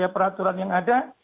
peraturan yang ada